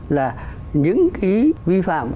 là những cái vi phạm